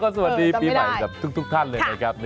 สวัสดีปีใหม่กับทุกท่านเลยนะครับ